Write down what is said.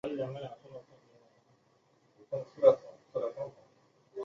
其余的外景则摄于威尔斯千禧中心和一间空置的玻璃工厂。